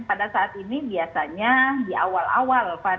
pada saat ini biasanya di awal awal